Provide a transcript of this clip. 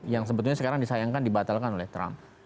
yang sebetulnya sekarang disayangkan dibatalkan oleh trump